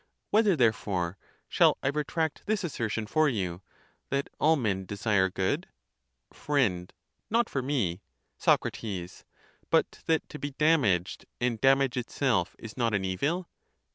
Whether therefore shall I retract this asser tion for you, that all men desire good? Fr. Not for me. Soc. But that to be damaged, and damage itself, is not an evil?